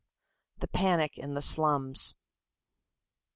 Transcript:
THE PANIC IN THE SLUMS.